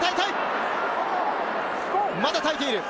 まだ耐えている！